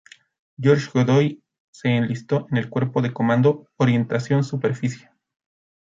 Jorge Godoy se enlistó en el Cuerpo de Comando, Orientación Superficie.